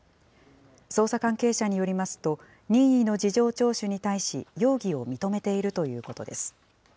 捜査関係者によりますと、任意の事情聴取に対し、容疑を認めているということです。